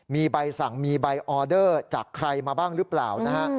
มีใบสั่งมีใบออเดอร์จากใครมาบ้างหรือเปล่านะฮะ